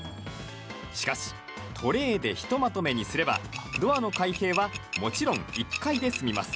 しかし、トレーでひとまとめにすればドアの開閉はもちろん１回で済みます。